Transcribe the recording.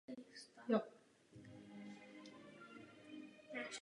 Podle jiných zdrojů je odolná k padlí a středně odolná vůči strupovitosti.